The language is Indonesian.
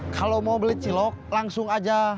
kalau mau beli cilok langsung aja